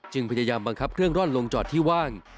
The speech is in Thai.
พยายามบังคับเครื่องร่อนลงจอดที่ว่าง